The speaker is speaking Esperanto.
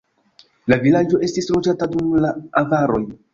La vilaĝo estis loĝata dum la avaroj.